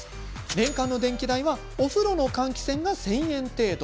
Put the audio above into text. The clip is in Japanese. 年間の電気代はお風呂の換気扇が１０００円程度。